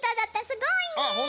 すごいね。